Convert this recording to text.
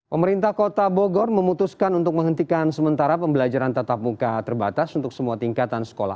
pemerintah kota bogor memutuskan untuk menghentikan sementara pembelajaran tatap muka terbatas untuk semua tingkatan sekolah